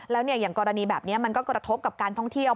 แล้วอย่างกรณีแบบนี้มันก็กระทบกับการท่องเที่ยว